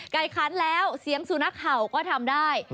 ไก่คันแล้วเสียงสูนักเขาก็ทำได้